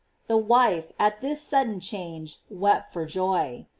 " The wife, at that sudden change, wept for joy.